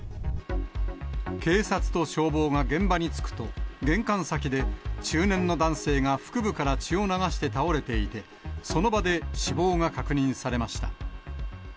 警察と消防が現場に着くと、玄関先で中年の男性が腹部から血を流して倒れていて、その場で死亡が確認されました。